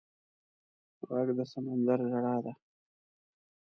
غږ د سمندر ژړا ده